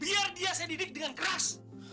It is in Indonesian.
biar dia saya didik dengan keras